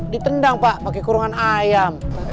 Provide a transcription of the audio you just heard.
ditendang pak pakai kurungan ayam